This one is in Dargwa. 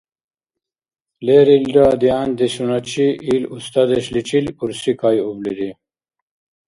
Лерилра дигӀяндешуначи ил устадешличил бурсикайублири.